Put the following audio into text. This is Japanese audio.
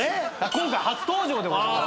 今回初登場でございますからね。